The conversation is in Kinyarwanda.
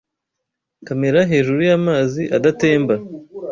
Kamera hejuru y’amazi adatemba